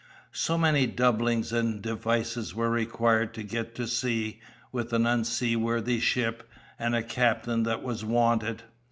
So many doublings and devices were required to get to sea with an unseaworthy ship and a captain that was "wanted."